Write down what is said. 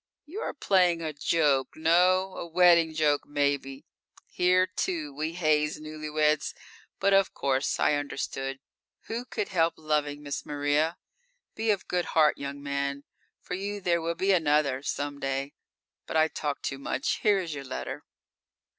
"You are playing a joke, no? A wedding joke, maybe. Here, too, we haze newlyweds. But of course I understood. Who could help loving Miss Maria? Be of good heart, young man. For you there will be another, some day. But I talk too much. Here is your letter."